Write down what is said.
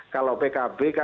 kalau pkb kan